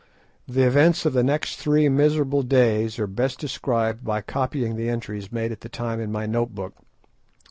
The events of the next three miserable days are best described by copying the entries made at the time in my note book.